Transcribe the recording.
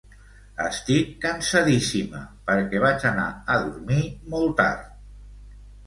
Estic cansadíssima perquè vaig anar a dormir molt tard.